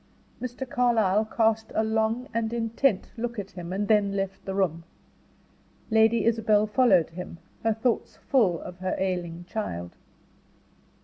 Mr. Carlyle cast a long and intent look at him, and then left the room. Lady Isabel followed him, her thoughts full of her ailing child.